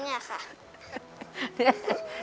สวัสดีครับน้องเล่จากจังหวัดพิจิตรครับ